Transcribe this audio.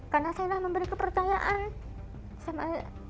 karena saya nggak memberi kepercayaan sama